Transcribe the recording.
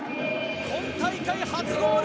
今大会初ゴール。